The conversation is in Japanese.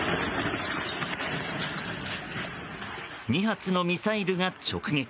２発のミサイルが直撃。